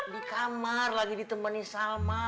di kamar lagi ditemani salma